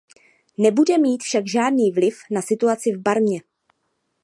Nebude mít však žádný vliv na situaci v Barmě.